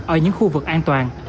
ở những khu vực an toàn